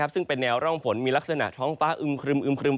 ซึ่งเป็นแนวร่องฝนมีลักษณะท้องฟ้าอึมครึม